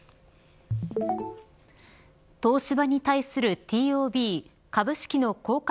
東芝に対するＴＯＢ株式の公開